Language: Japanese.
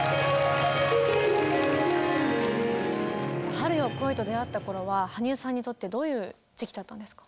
「春よ、来い」と出会った頃は羽生さんにとってどういう時期だったんですか？